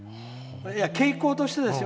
傾向としてですよ。